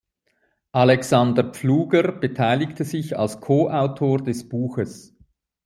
Alexander Pfluger beteiligte sich als Co-Autor des Buches.